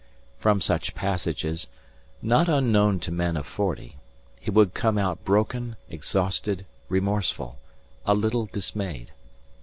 From such passages, not unknown to men of forty, he would come out broken, exhausted, remorseful, a little dismayed.